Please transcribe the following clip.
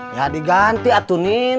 ya diganti atunin